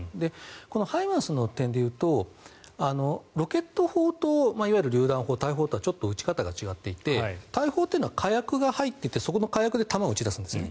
このＨＩＭＡＲＳの点でいうとロケット砲とりゅう弾砲大砲とは撃ち方が違っていて大砲は火薬が入っていてそこの火薬で弾を撃ち出すんですね。